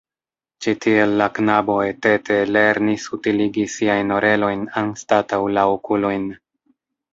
Ĉi tiel la knabo et-ete lernis utiligi siajn orelojn anstataŭ la okulojn.